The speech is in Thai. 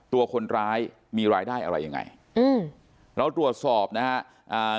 ตัวคนร้ายมีรายได้อะไรยังไงอืมเราตรวจสอบนะฮะอ่า